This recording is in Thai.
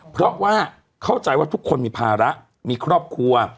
เพราะว่าเข้าใจว่าทุกคนมีภาระมีครอบครัว